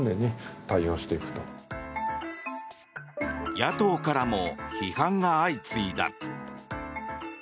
野党からも批判が相次いだ。